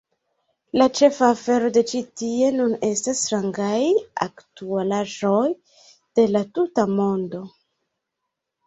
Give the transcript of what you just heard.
La ĉefa afero de Ĉi Tie Nun estas "strangaj aktualaĵoj de la tuta mondo.